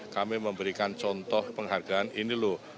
kami memberikan contoh penghargaan ini loh